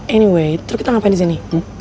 anyway terus kita ngapain disini